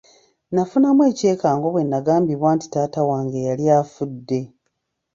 Nafunamu ekyekango bwe nagambibwa nti taata wange yali afudde.